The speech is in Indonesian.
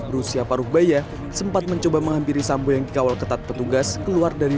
rusia paruh baya sempat mencoba menghampiri sambo yang dikawal ketat petugas keluar dari